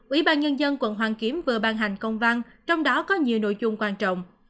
ủy ban nhân dân quận hoàn kiếm vừa ban hành công văn trong đó có nhiều nội dung quan trọng